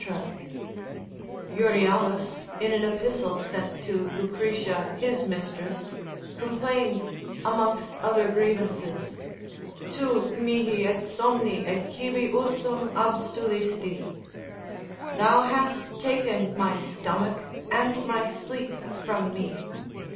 Euryalus, in an epistle sent to Lucretia, his mistress, complains amongst other grievances, tu mihi et somni et cibi usum abstulisti, thou hast taken my stomach and my sleep from me.